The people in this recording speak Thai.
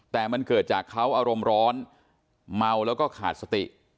แต่มันเกิดจากเขาอารมณ์ร้อนเมาแล้วก็ขาดสติ